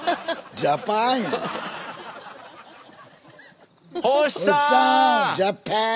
ジャパン！